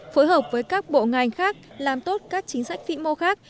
phối hợp với các bộ ngành khác làm tốt các chính sách vĩ mô khác